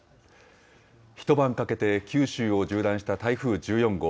一晩かけて九州を縦断した台風１４号。